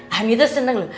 hani tuh seneng lu